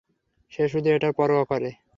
সে শুধু এটার পরোয়া করে।